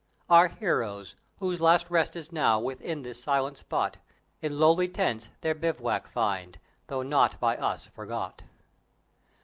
Our heroes, whose last rest is now within this silent spot, In lowly tents their bivouac find, though not by us forgot.